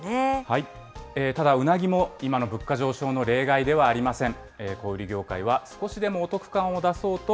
ただ、うなぎも今の物価上昇の例外ではありません。